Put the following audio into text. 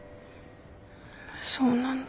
そうなんだ。